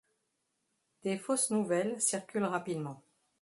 Des fausses nouvelles circulent rapidement.